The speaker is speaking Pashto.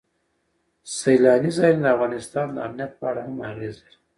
سیلانی ځایونه د افغانستان د امنیت په اړه هم اغېز لري.